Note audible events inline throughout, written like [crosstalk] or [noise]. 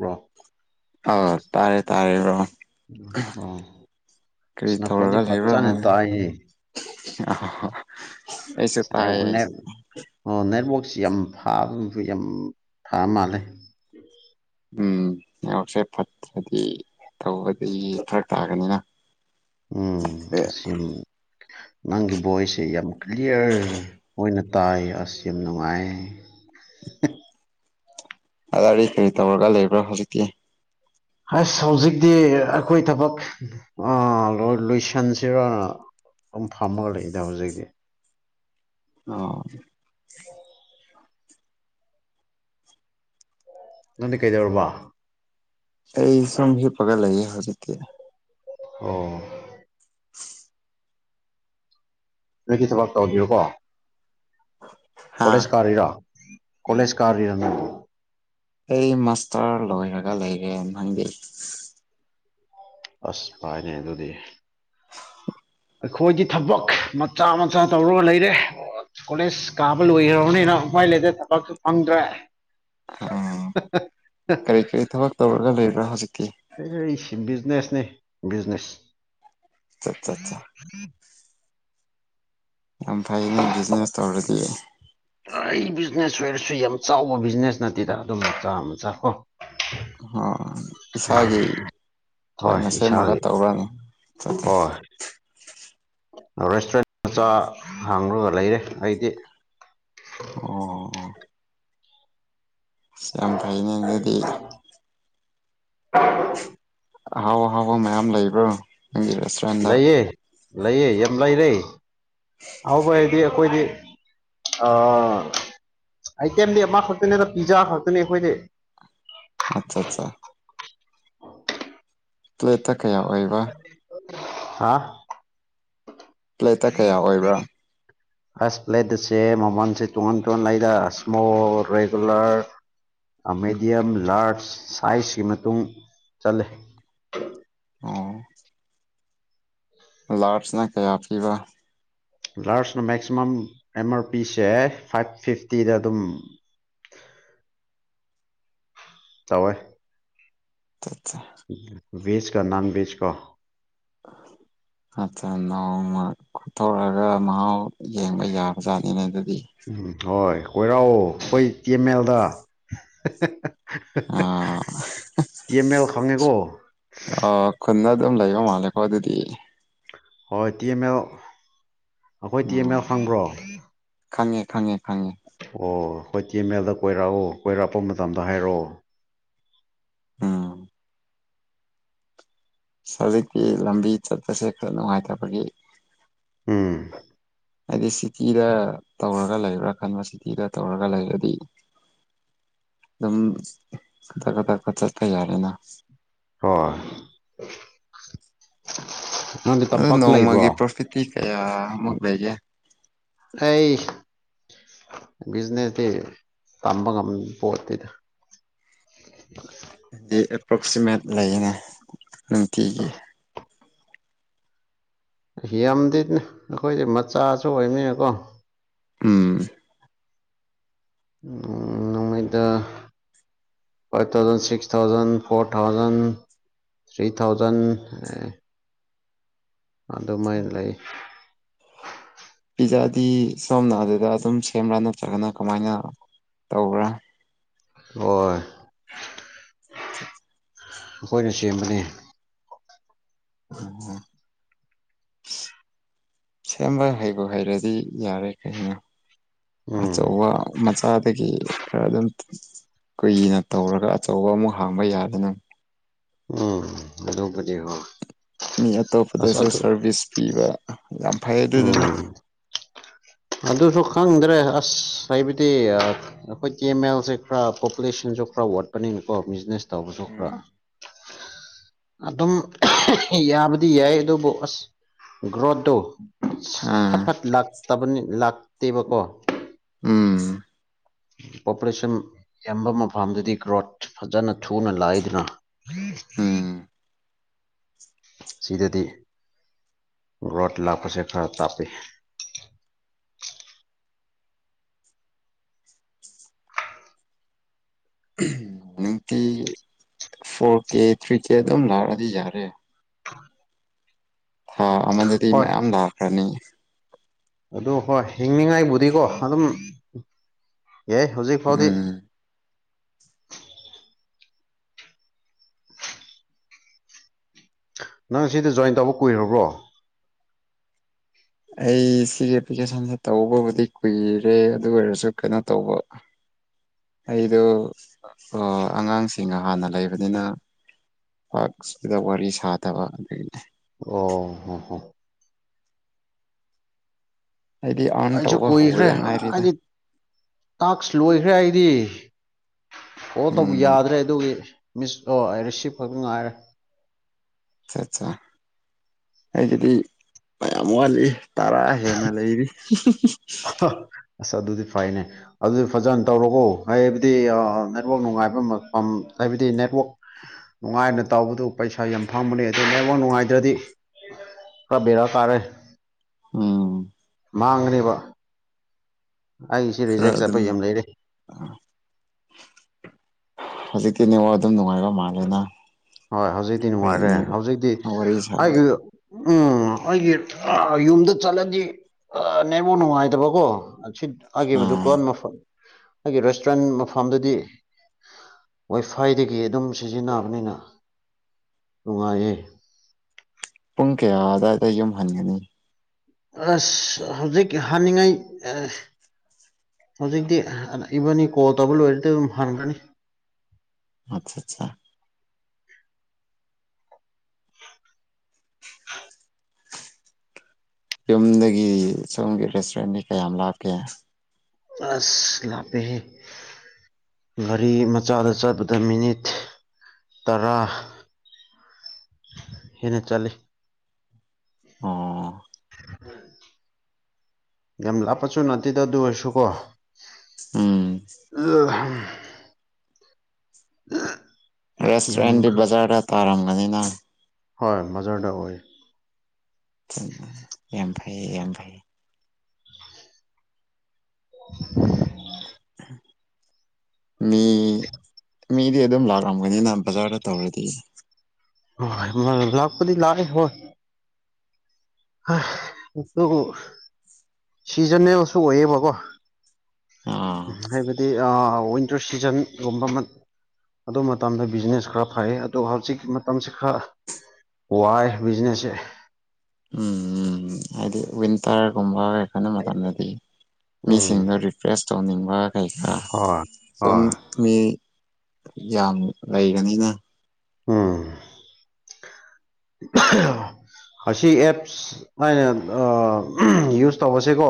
꯭ꯔꯣ ꯑ ꯇꯥꯔꯦ ꯇꯥꯔꯦꯔꯣ ꯑ ꯀꯔꯤ ꯅ ꯀꯗꯤ ꯐꯠꯆꯥꯅꯦ ꯇ ꯑ ꯅ ꯑꯣ ꯅꯦꯠꯋꯥꯛꯁꯤ ꯌꯥꯝ ꯐꯥꯕ ꯑꯗꯨ ꯌꯥꯝ ꯊ ꯃꯥꯜꯂꯦ ꯎꯝ ꯉꯋꯥꯛꯁꯦ ꯐꯠꯇ꯭ꯔꯗꯤ ꯇꯧꯕꯗꯤ ꯐꯔꯛ ꯇꯥꯒꯅꯤꯅ ꯎꯝꯁꯤ ꯅꯪꯒꯤ ꯚꯣꯏꯁꯁꯦ ꯌꯥꯝ ꯀ꯭ꯂꯤꯌꯥꯔ ꯑꯣꯏꯅ ꯇꯥꯏ ꯑꯁ ꯌꯥꯝ ꯅꯨꯡꯉꯥꯏ ꯑꯗꯤ ꯀꯔꯤ ꯇꯧꯔꯒ ꯂꯩꯕ꯭ꯔꯥ ꯍꯧꯖꯤꯛꯇꯤ ꯑꯁ ꯍꯧꯖꯤꯛꯇꯤ ꯑꯩꯈꯣꯏ ꯊꯕꯛ ꯂꯣꯏꯁꯤꯟꯁꯤꯔ ꯑꯗꯨꯝ ꯐꯝꯃꯒ ꯂꯩꯗ ꯍꯧꯖꯤꯛꯇꯤ ꯑꯣ ꯅꯪ ꯀꯩꯗꯧꯔꯕꯥ ꯑꯩ ꯁꯨꯝ ꯍꯤꯞꯄꯒꯠ ꯂꯩꯌꯦ ꯍꯧꯖꯤꯛꯇꯤ ꯑꯣ [inaudible] ꯍꯗꯛꯀꯤ ꯊꯕꯛ ꯇꯧꯕꯤꯌꯨꯀꯣ ꯍꯥ ꯀꯂꯦꯖ ꯀꯥꯔ ꯏꯔꯥ ꯀꯣꯂꯦꯖ ꯀꯥꯔ ꯏꯔ ꯅꯣ ꯑꯩ ꯃꯥꯁꯇꯔ ꯂꯣꯏꯔꯒ ꯂꯩꯔꯦ ꯈꯪꯗꯤ ꯑꯁ ꯄꯥꯏꯅꯦ ꯑꯗꯨꯗꯤ ꯑꯩꯈꯣꯏꯒꯤ ꯊꯕꯛ ꯃꯆꯥ ꯃꯆꯥ ꯇꯧꯔꯒ ꯂꯩꯔꯦ ꯀꯣꯂꯦꯖ ꯀꯥꯕ ꯂꯣꯏꯈ꯭ꯔꯕꯅꯤꯅ ꯍꯃꯥꯏ ꯂꯩꯇ ꯊꯕꯛꯁꯨ ꯐꯪꯗ꯭ꯔꯦ ꯎ ꯀꯔꯤ ꯀꯔꯤ ꯊꯕꯛ ꯇꯧꯔꯒ ꯂꯩꯕ꯭ꯔꯥ ꯍꯧꯖꯤꯛ ꯁꯤ ꯕꯤꯖꯤꯅꯦꯁꯅꯦ ꯕꯤꯖꯤꯅꯦꯁ ꯆꯠ ꯆꯠ ꯎꯝ ꯆꯥ ꯎꯝ ꯌꯥꯝ ꯐꯩꯅꯦ ꯕꯤꯖꯤꯅꯦꯁ ꯇꯧꯔꯗꯤ ꯕꯤꯖꯤꯅꯦꯁ ꯑꯣꯏꯔꯁꯨ ꯌꯥꯝ ꯆꯥꯎꯕ ꯕꯤꯖꯤꯅꯦꯁ ꯅꯠꯇꯦꯗ ꯑꯗꯨꯝ ꯃꯆꯥ ꯑꯃ ꯆꯥꯈꯣ ꯍ ꯏꯁꯥꯒꯤ ꯍꯣꯏ ꯑꯣꯏꯅ ꯁꯦꯝꯃꯒ ꯏꯁꯥꯒꯤ ꯇꯧꯔꯅꯤ [inaudible] ꯍꯣꯏ ꯔꯦꯁꯇꯨꯔꯦꯟ ꯃꯆꯥ ꯍꯥꯡꯉꯒ ꯂꯩꯔꯦ ꯑꯩꯗꯤ ꯑꯣ ꯌꯥꯝ ꯐꯩꯅꯦ ꯑꯗꯨꯗꯤ [inaudible] ꯍꯥꯎ ꯍꯥꯎ ꯃꯌꯥꯝꯌꯥꯝ ꯂꯩꯕ꯭ꯔꯣ ꯅꯪꯒꯤ ꯔꯦꯁꯇꯨꯔꯦꯟꯗ ꯂꯩꯑ ꯂꯩꯑꯦ ꯌꯥꯝ ꯂꯩꯔꯦ ꯑꯍꯥꯎꯕ ꯍꯥꯏꯗꯤ ꯑꯩꯈꯣꯏꯗꯤ ꯑ ꯑꯥꯏꯇꯦꯝꯗꯤ ꯑꯃꯈꯛꯇꯅꯦꯗ ꯄꯤꯖꯥ ꯈꯛꯇꯅꯦ ꯑꯩꯈꯣꯏꯗꯤ ꯑꯠꯆꯥ ꯑꯠꯆꯥ ꯄ꯭ꯂꯦꯠꯇ ꯀꯌꯥ ꯑꯣꯏꯕ ꯍꯥꯥ ꯄ꯭ꯂꯦꯠꯇ ꯀꯌꯥ ꯑꯣꯏꯕ꯭ꯔꯥ ꯐꯁ ꯄ꯭ꯂꯦꯠꯁꯦ ꯃꯃꯜꯁꯦ ꯇꯣꯉꯥꯟ ꯇꯣꯉꯥꯟꯂꯗ ꯏꯁꯃꯣ ꯔꯦꯒꯨꯂꯔ ꯃꯦꯗꯤꯌꯝ ꯂꯥꯔꯖ ꯁꯥꯏꯖꯀꯤ ꯃꯇꯨꯡ ꯆꯂꯦ ꯑꯣ ꯂꯥꯔꯠꯁꯅ ꯀꯌꯥ ꯄꯤꯕ ꯂꯥꯔꯖꯅ ꯃꯦꯛꯁꯤꯃꯝ ꯑꯦꯝ ꯑꯥꯔ ꯄꯤꯁꯦ ꯐꯥꯏꯚ ꯐꯤꯐꯇꯤꯗ ꯑꯗꯨꯝ [inaudible] ꯇꯋꯦ ꯇꯦ ꯕꯦꯖ ꯀ ꯅꯟꯚꯦꯖ ꯀ ꯑ ꯑꯠ ꯅꯎꯃ ꯈꯨꯊꯣꯔꯛꯑꯒ ꯃꯍꯥꯎ ꯌꯦꯡꯕ ꯌꯥꯕꯖꯥꯠꯅꯤꯅꯦ ꯑꯗꯨꯗꯤ ꯎꯝ ꯍꯣꯏ ꯀꯣꯏꯔꯥꯎꯑꯣ ꯑꯩꯈꯣꯏ ꯇꯤꯃꯦꯜꯗ ꯑꯥ ꯀꯃꯦꯜ ꯈꯉꯦꯀꯣ ꯑꯥ ꯈꯨꯟꯗ ꯑꯗꯨꯝ ꯂꯩꯕ ꯃꯥꯜꯂꯦꯀꯣ ꯑꯗꯨꯗꯤ ꯍꯣꯏ ꯇꯤ ꯑꯦꯝ ꯑꯦꯜ ꯑꯩꯈꯣꯏ ꯇꯤ ꯑꯦꯝ ꯑꯣ ꯑꯦꯜ ꯈꯪꯕ꯭ꯔꯣ ꯈꯪꯉꯦ ꯈꯪꯉꯦ ꯈꯪꯉꯦ ꯑꯣ ꯑꯩꯏ ꯇꯤꯃꯦꯜꯗ ꯀꯣꯏꯔꯛꯑꯣ ꯀꯣꯏꯔꯛꯄ ꯃꯇꯝꯗ ꯍꯥꯏꯔꯛꯑꯣ ꯑꯝ ꯍꯧꯖꯤꯛꯀꯤ ꯂꯝꯕꯤ ꯆꯠꯄꯁꯦ ꯈꯔ ꯅꯨꯡꯉꯥꯏꯇꯕꯒꯤ ꯎꯝ ꯍꯥꯏꯗꯤ ꯁꯤꯇꯤꯗ ꯇꯧꯔꯒ ꯂꯩꯕ꯭ꯔꯥ ꯈꯟꯕ ꯁꯤꯇꯤꯗ ꯇꯧꯔꯒ ꯂꯩꯔꯗꯤ ꯑꯗꯨꯝ ꯀꯊꯛ ꯀꯊꯛ ꯈ ꯆꯠꯄ ꯌꯥꯔꯦꯅ ꯍꯣꯏ ꯅꯪꯗꯤ ꯑꯣ ꯇꯝꯄꯥꯛꯇ ꯂꯩꯕ꯭ꯔꯣ ꯅꯣꯡꯃꯒꯤ ꯄ꯭ꯔꯣꯐꯤꯠꯇꯤ ꯀꯌꯥꯃꯨꯛ ꯂꯩꯒꯦ ꯑꯩ ꯕꯤꯖꯤꯅꯦꯁꯇꯗꯤ ꯇꯝꯕ ꯉꯝꯄꯣꯠꯇꯦꯗ ꯗꯤ ꯑꯦꯄ꯭ꯔꯣꯛꯁꯤꯃꯦꯠ ꯂꯩꯅꯦ ꯅꯨꯡꯇꯤꯒꯤ ꯍꯤ ꯌꯥꯝꯗꯤꯅꯦ ꯑꯩꯈꯣꯏꯁꯦ ꯃꯆꯥꯁꯨ ꯑꯣꯏꯅꯤꯅꯀꯣ ꯎꯝ ꯅꫭꯡꯃꯩꯗ five thousand six thousand four thousand three thousand ꯑꯗꯨꯃꯥꯏꯅ ꯂꯩ ꯄꯤꯖꯥꯗꯤ ꯁꯣꯝꯅ ꯑꯗꯨꯗ ꯑꯗꯨꯝ ꯁꯦꯝꯕ꯭ꯔꯥ ꯅꯠꯇ꯭ꯔꯒꯅ ꯀꯃꯥꯏꯅ ꯇꯧꯕ꯭ꯔꯥ ꯍꫭꯏ ꯎ ꯑꯩꯈꯣꯏꯅ ꯁꯦꯝꯕꯅꯤ ꯎ ꯁꯦꯝꯕ ꯍꯩꯕ ꯍꯩꯔꯗꯤ ꯌꯥꯔꯦ ꯀꯩꯅꯣ ꯎꯝ ꯑꯆꯧꯕ ꯃꯥꯆꯥꯗꯒꯤ ꯈꯔ ꯑꯗꯨꯝ ꯀꯨꯏꯅ ꯇꯧꯔꯒ ꯑꯆꯧꯕ ꯑꯃꯨꯛ ꯍꯥꯡꯕ ꯌꯥꯗꯅ ꯎꯝ ꯑꯗꯨꯄꯨꯗꯤ ꯍꯣꯏ ꯃꯤ ꯑꯁ ꯑꯇꯣꯞꯄꯗꯁꯨ ꯑꯗꯨ ꯁꯥꯔꯚꯤꯁ ꯄꯤꯕ ꯌꯥꯝ ꯐꯩ ꯑꯗꯨꯗꯨꯅ ꯎꯝ ꯑꯗꯨꯁꯨ ꯈꯪꯗ꯭ꯔꯦ ꯑꯁ ꯍꯥꯏꯕꯗꯤ ꯑꯩꯈꯣꯏ ꯀꯦꯃꯦꯜꯁꯦ ꯈꯔ ꯄꯣꯄꯨꯂꯦꯁꯟ ꯁꯨ ꯈꯔ ꯋꯥꯠꯄꯅꯤꯅꯀꯣ ꯕꯤꯖꯤꯅꯦꯁ ꯇꯧꯕꯁꯨ ꯈꯔ ꯎꯝ [unintelligible] ꯑꯗꯨꯝ ꯌꯥꯕꯗꯤ ꯌꯥꯏ ꯑꯗꯨꯕꯨ ꯑꯁ ꯒ꯭ꯔꯣꯠꯇꯣ ꯐꯠ ꯑꯥ ꯐꯠ ꯂꯥꯛ ꯂꯥꯛꯇꯦꯕꯀꯣ ꯎꯝ ꯄꯣꯄꯨꯂꯦꯁꯟ ꯌꯥꯝꯕ ꯃꯐꯝꯗꯗꯤ ꯒ꯭ꯔꯣꯠ ꯐꯖꯅ ꯊꯨꯅ ꯂꯥꯏꯗꯅ ꯎꯝ ꯎꯝ ꯁꯤꯗꯗꯤ ꯔꯣꯠ ꯂꯥꯛꯄꯁꯦ ꯈꯔ ꯇꯥꯞꯄꯤ [unintelligible] ꯎꯝ ꯐꯣꯔ ꯀꯦ ꯊ꯭ꯔꯤ ꯀꯦ ꯑꯗꯨꯝ ꯂꯥꯛꯑꯗꯤ ꯌꯥꯔꯦ ꯑ ꯑꯃꯗꯗꯤ ꯍꯣꯏ ꯃꯌꯥꯝ ꯂꯥꯛꯈ꯭ꯔꯅꯤ ꯑꯗꯨ ꯍꯣꯏ ꯍꯤꯡꯅꯤꯉꯥꯏꯕꯨꯗꯤꯀꯣ ꯑꯗꯨꯝ ꯌꯥꯏ ꯍꯧꯖꯤꯛ ꯐꯥꯎꯗꯤ ꯎꯝ ꯅꯪ ꯁꯤꯗ ꯖꯣꯏꯟ ꯇꯧꯕ ꯀꯨꯏꯔꯕ꯭ꯔꯣ ꯑꯩ ꯁꯤꯒꯤ ꯑꯦꯄ꯭ꯂꯤꯀꯦꯁꯟꯁꯦ ꯇꯧꯕꯕꯨꯗꯤ ꯀꯨꯏꯔꯦ ꯑꯗꯨ ꯑꯣꯏꯔꯁꯨ ꯀꯩꯅꯣ ꯇꯧꯕ ꯑꯩꯗꯣ ꯑꯉꯥꯡꯁꯤꯡ ꯍꯥꯟꯅ ꯂꯩꯕꯅꯤꯅ ꯄꯥꯛ ꯁꯤꯗ ꯋꯥꯔꯤ ꯁꯥꯗꯕ ꯑꯗꯨꯒꯤꯅꯦ ꯑꯣ ꯍ ꯍ ꯑꯩꯗꯤ ꯑꯥꯔꯟ ꯑꯩꯁꯨ ꯇꯧꯕ ꯀꯨꯏꯈ꯭ꯔꯦ ꯍꯧꯕꯗ ꯉꯥꯏꯔꯤꯗ ꯍꯥꯏꯗꯤ ꯇꯥꯛꯁ ꯂꯣꯏꯈ꯭ꯔꯦ ꯑꯩꯗꯤ ꯑꯣ ꯇꯧꯕ ꯎꯝ ꯌꯥꯗ꯭ꯔꯦ ꯑꯗꯨꯒꯤ ꯃꯤꯁ ꯑꯣ ꯑꯩ ꯔꯤꯁꯤꯞ ꯈꯛꯇ ꯉꯥꯏꯔꯦ ꯑꯆꯥ ꯑꯠꯆꯥ ꯑꯩꯒꯤꯗꯤ ꯃꯌꯥꯝ ꯋꯥꯠꯂꯤ ꯇꯔꯥ ꯍꯦꯟꯅ ꯂꯩꯔꯤ ꯑ ꯑꯁ ꯑꯗꯨꯗꯤ ꯐꯩꯅꯦ ꯑꯗꯨꯗꯤ ꯐꯖꯅ ꯇꯧꯔꯣꯀꯣ ꯍꯥꯏꯕꯗꯤ ꯅꯦꯠꯋꯥꯛ ꯅꯨꯡꯉꯥꯏꯕ ꯍꯥꯏꯕꯗꯤ ꯅꯦꯠꯋꯥꯛ ꯅꯨꯡꯉꯥꯏꯅ ꯇꯧꯕꯗꯨ ꯄꯩꯁꯥ ꯌꯥꯝ ꯐꯕꯅꯤ ꯑꯗꯨ ꯂꯥꯏꯕꯃꯛ ꯅꯨꯡꯉꯥꯏꯇ꯭ꯔꯗꯤ ꯀꯕꯦꯔꯥ ꯀꯥꯔꯦ ꯑ ꯃꯥ ꯉꯅꯤꯕ ꯑꯩ ꯁꯤ ꯈꯔ ꯔꯦꯖꯦꯛ ꯑꯗꯨꯝ ꯆꯄꯩ ꯌꯥꯝ ꯂꯩꯔꯦ ꯍꯧꯖꯤꯛꯀꯤꯅꯦꯉꯣ ꯑꯗꯨꯝ ꯅꯨꯡꯉꯥꯏꯔꯣ ꯍꯣꯏ ꯍꯧꯖꯤꯛꯇꯤ ꯅꯨꯡꯉꯥꯏꯔꯦ ꯑꯅꯤ ꯍꯧꯖꯤꯛꯇꯤ ꯋꯥꯔꯤ ꯍꯥꯏ ꯁꯥꯕꯗꯤ ꯎꯝ ꯑꯩꯒꯤ ꯌꯨꯝꯗ ꯆꯠꯂꯗꯤ ꯑ ꯅꯕꯨ ꯅꯨꯡꯉꯥꯏꯇꯕꯀꯣ ꯁꯤꯠ ꯑꯒꯤꯈꯤꯕꯗꯨ ꯑꯥ ꯀꯣꯟ ꯃ ꯑꯩꯒꯤ ꯔꯦꯁꯇꯨꯔꯦꯟ ꯃꯐꯝꯗꯨꯗꯤ ꯋꯥꯏꯐꯥꯏꯗꯒꯤ ꯑꯗꯨꯝ ꯁꯤꯖꯤꯟꯅꯕꯅꯤꯅ ꯅꯨꯡꯉꯥꯏꯌꯦ ꯄ ꯀꯌꯥ ꯑꯗꯨꯋꯥꯏꯗ ꯌꯨꯝ ꯍꯟꯒꯅꯤ ꯑꯁ ꯍꯧꯖꯤꯛ ꯍꯥꯟꯅꯤꯡꯉꯥꯏ ꯍꯧꯖꯤꯛꯇꯤ ꯏꯕꯥꯅꯤ ꯀꯣꯠꯇꯕ ꯂꯣꯏꯔꯗꯤ ꯑꯗꯨꯝ ꯍꯟꯒꯅꯤ ꯑꯠꯆꯥ ꯑꯠꯆꯥ ꯌꯨꯝꯗꯒꯤ ꯁꯣꯝꯒꯤ ꯔꯦꯁꯇꯨꯔꯦꯟꯅꯤ ꯀꯌꯥꯝ ꯂꯥꯛꯀꯦ ꯑꯁ ꯂꯥꯛꯄꯦꯍꯦ ꯒꯥꯔꯤ ꯃꯆꯥꯗ ꯆꯠꯄꯗ ꯃꯤꯅꯤꯠ ꯇꯔꯥ ꯍꯦꯅ ꯆꯂꯦ ꯑꯣꯝ [unintelligible] ꯌꯥꯝꯦꯝ ꯂ ꯄꯆꯣꯅ ꯇꯤꯗꯗꯨ ꯑꯣꯏꯁꯨꯨ ꯀꯣ ꯎꯝ ꯎ ꯌꯥꯝ ꯔꯦꯁꯇꯨꯔꯦꯟꯗꯤ ꯕꯖꯥꯔꯗ ꯇꯥꯔꯝꯒꯅꯤꯅ ꯍꯣꯏ ꯃꯖꯔꯗ ꯑꯣꯏ ꯑꯡ ꯐꯩꯌꯦ ꯌꯥꯝꯡ ꯐꯩꯌꯦ [unintelligible] ꯃꯤ ꯃꯤꯗꯤ ꯑꯗꯨꯝ ꯂꯥꯛꯂꯝꯝꯒꯅꯤꯅ ꯕꯖꯥꯔꯗ ꯇꯧꯔꯗꯤ ꯂꯥꯛꯄꯗꯤ ꯂꯑ ꯍꯣꯏ ꯑꯗꯨ ꯁꯤꯖꯟꯅꯦ ꯑꯃꯁꯁꯨ ꯑꯣꯏꯌꯦꯕꯀꯣ ꯑꯥ ꯍꯥꯏꯕꯗꯤ ꯋꯤꯟꯇꯔ ꯁꯤꯖꯟꯒꯨꯝꯕ ꯑꯗꯨ ꯃꯇꯝꯗ ꯕꯤꯖꯤꯅꯦꯁ ꯈꯔ ꯐꯩ ꯑꯗꯨꯒ ꯍꯧꯖꯤꯛ ꯃꯇꯝꯁꯤ ꯈꯔ ꯋꯥꯏ ꯕꯤꯖꯤꯅꯦꯁꯦ ꯎꯝ ꯎꯝ ꯍꯥꯏꯗꯤ ꯋꯤꯟꯇꯔꯒꯨꯝꯕ ꯀꯩꯈꯣꯏꯅ ꯃꯇꯝꯗꯗꯤ ꯎꯝ ꯃꯤꯁꯤꯡꯗꯣ ꯔꯤꯐ꯭ꯔꯦꯁ ꯇꯧꯅꯤꯡꯕ ꯐꯩꯀꯥ ꯍꯣꯏ ꯁꯨꯝ ꯍꯣꯏ ꯃꯤ ꯌꯥꯝ ꯂꯩꯒꯅꯤꯅ ꯎꯝ ꯑꯁꯤ ꯑꯦꯞꯁ ꯑꯅ ꯌꯨꯁ ꯇꯧꯕꯁꯦꯀꯣ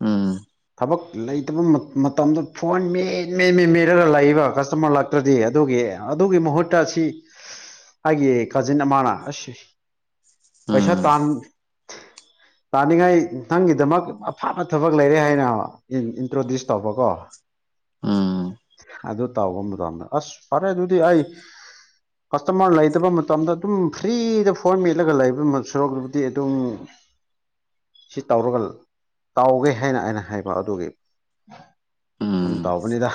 ꯎꯝ ꯊꯕꯛ ꯂꯩꯇꯕ ꯃꯇꯝꯗ ꯐꯣꯟ ꯃꯦꯟ ꯃꯦꯟ ꯃꯦꯟ ꯃꯦꯔꯒ ꯂꯥꯛꯏꯕ ꯀꯁꯇꯃꯔ ꯂꯥꯛꯇ꯭ꯔꯗꯤ ꯑꯗꯨꯒꯤ ꯑꯗꯨꯒꯤ ꯃꯍꯨꯠꯇ ꯑꯁꯤ ꯑꯩꯒꯤ ꯖꯤꯟ ꯑꯃꯅ ꯑꯁ ꯎꯝ ꯄꯩꯁꯥ ꯇꯥꯟ [unintelligible] ꯇꯥꯅꯤꯡꯉꯥꯏ ꯅꯪꯒꯤꯗꯃꯛ ꯑꯐꯕ ꯊꯕꯛ ꯂꯩꯔꯦ ꯍꯥꯏꯅ ꯏꯟꯇ꯭ꯔꯣꯗ꯭ꯌꯨꯁ ꯇꯧꯕꯀꯣ ꯑ ꯑꯗꯨ ꯇꯥꯎ ꯑꯃ ꯇꯧꯝꯃꯦ ꯑꯁ ꯐꯔꯦ ꯑꯗꯨꯗꯤ ꯑꯩ ꯀꯁ ꯃꯂ ꯂꯩꯇꯕ ꯃ ꯇꯣꯗ ꯑꯗꯨꯝ ꯐ꯭ꯔꯤꯗ ꯐꯣꯔ ꯃꯠꯂꯒ ꯂꯩꯕ ꯁꯣꯔꯣꯛꯇꯕꯨꯗꯤ ꯑꯗꯨꯝ ꯁꯤ ꯇꯧꯔꯒ ꯇꯥꯎꯒꯦ ꯍꯥꯏꯅ ꯑꯩꯅ ꯍꯥꯏꯕ ꯑꯗꯨꯒꯤ ꯁꯨꯝ ꯎꯝ ꯇꯥꯎꯕꯅꯤꯗ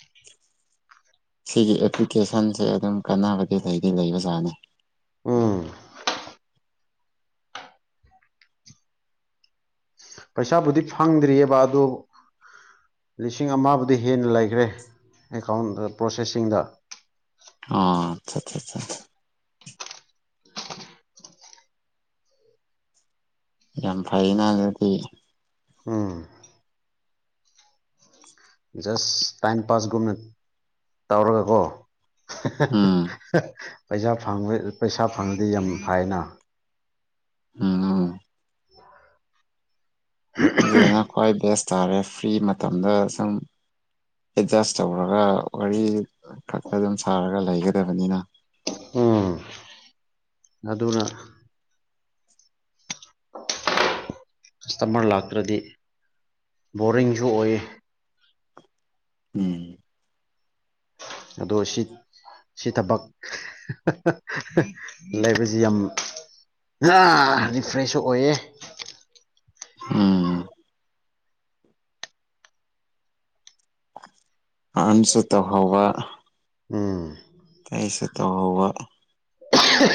[unintelligible] ꯁꯤꯒꯤ ꯑꯦꯄ꯭ꯂꯤꯀꯦꯁꯟꯁꯦ ꯑꯗꯨꯝ ꯀꯥꯟꯅꯕꯗꯤ ꯂꯩꯗꯤ ꯂꯩꯕꯖꯥꯠꯅꯤ ꯎꯝ ꯄꯩꯁꯥꯕꯨꯗꯤ ꯐꯪꯗ꯭ꯔꯤꯑꯕ ꯑꯗꯨ ꯂꯤꯁꯤꯡ ꯑꯃꯕꯨꯗꯤ ꯍꯦꯟꯅ ꯂꯩꯈ꯭ꯔꯦ ꯑꯦꯀꯥꯎꯟꯗ ꯄ꯭ꯔꯣꯁꯦꯁꯤꯡꯗ ꯑ ꯑꯆꯥ ꯌꯥꯝ ꯐꯥꯏꯩꯅ ꯂꯩꯗꯤ ꯎꯝ ꯖꯁ ꯇꯥꯏꯝ ꯄꯥꯁꯒꯨꯝꯅ ꯇꯧꯔꯒꯀꯣ ꯎꯝ [unintelligible] ꯄꯩꯁꯥ ꯄꯩꯁꯥ ꯐꯪꯉꯗꯤ ꯌꯥꯝ ꯐꯥꯏꯅ ꯎꯝ ꯑꯗꯨꯗꯨꯅ ꯈ꯭ꯋꯥꯏ ꯕꯦꯁ ꯇꯥꯔꯦ ꯐ꯭ꯔꯤ ꯃꯇꯝꯗ ꯁꯨꯝ ꯑꯦꯠꯖꯁ ꯇꯧꯔꯒ ꯋꯥꯔꯤ ꯈꯛꯇ ꯑꯗꯨꯝ ꯁꯥꯔꯒ ꯂꯩꯒꯗꯕꯅꯤꯅ ꯎ ꯑꯗꯨꯅ ꯀꯁꯇꯃꯔ ꯂꯥꯛꯇ꯭ꯔꯗꯤ ꯕꯣꯔꯤꯡꯁꯨ ꯑꯣꯏ ꯎꯝ ꯑꯗꯣ ꯁꯤ ꯁꯤ ꯊꯕꯛ ꯂꯩꯕꯁꯤ ꯌꯥꯝ ꯑ ꯔꯤꯐ꯭ꯔꯦꯁꯁꯨ ꯑꯣꯏꯌꯦꯦ ꯑꯝ ꯑꯟꯁ ꯇ ꯍꯋꯥ ꯎꯝ ꯀꯩꯁ ꯇ ꯍꯕ ꯇ